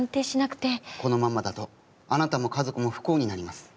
このままだとあなたも家族も不幸になります。